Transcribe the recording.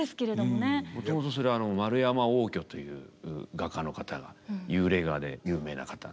もともとそれ円山応挙という画家の方が幽霊画で有名な方。